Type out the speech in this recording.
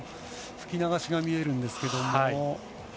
吹き流しが見えるんですが。